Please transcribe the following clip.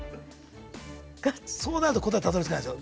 そうなると答えたどりつかないですよ。